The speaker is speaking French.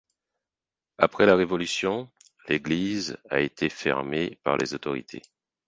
Après la révolution, l'église a été fermée par les autorités.